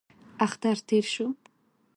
اختر تېر شو.